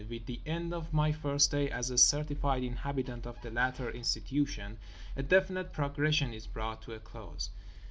With the end of my first day as a certified inhabitant of the latter institution a definite progression is brought to a close.